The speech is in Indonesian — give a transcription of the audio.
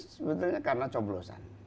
sebetulnya karena coblosan